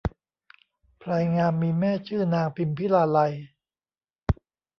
พลายงามมีแม่ชื่อนางพิมพิลาไลย